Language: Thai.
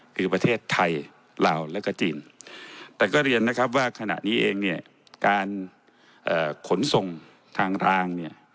คือประเทศไทยลาวแล้วก็จีนแต่ก็เรียนนะครับว่าขณะนี้เองเนี่ยการขนส่งทางรางเนี่ย